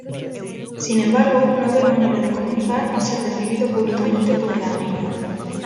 Sin embargo, no ve manera de comenzar a ser recibido públicamente por la reina.